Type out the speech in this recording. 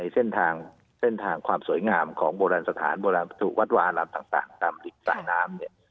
เช่นทางความสวยงามของโบราณสถานโบราณสู่วัดวาลับต่างตามฤทธิ์สายน้ำเนี่ย